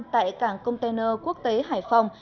tại cảng container quốc tế hải phòng